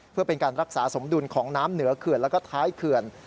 เพื่อเป็นการรักษาสมดุลของน้ำเหนือเขื่อนแล้วก็ท้ายเขื่อน